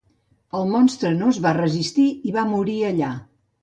El monstre no es va resistir i va morir allà.